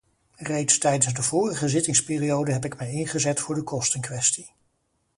Reeds tijdens de vorige zittingsperiode heb ik mij ingezet voor de kostenkwestie.